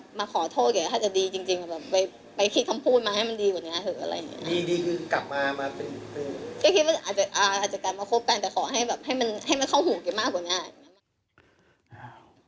พี่ลองคิดดูสิที่พี่ไปลงกันที่ทุกคนพูด